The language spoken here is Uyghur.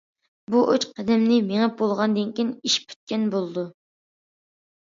بۇ ئۈچ قەدەمنى مېڭىپ بولغاندىن كېيىن، ئىش پۈتكەن بولىدۇ.